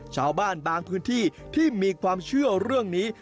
ชาวบ้านบางพื้นที่ที่มีความเชื่อเรื่องนี้